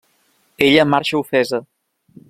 Ella marxa ofesa.